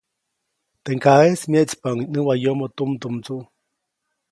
Teʼ ŋgaʼeʼis myeʼtspaʼuŋ näwayomoʼ tumdumndsuʼ.